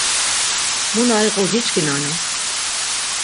Mu na iqu giçkinani?